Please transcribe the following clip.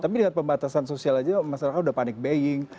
tapi dengan pembatasan sosial aja masyarakat sudah panik baying